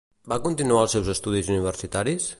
Va continuar els seus estudis universitaris?